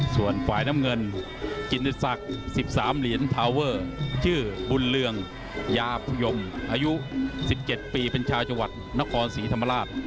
ส่วนฝ่ายน้ำเงินกิติศักดิ์๑๓เหรียญทาวเวอร์ชื่อบุญเรืองยาพยมอายุ๑๗ปีเป็นชาวจังหวัดนครศรีธรรมราช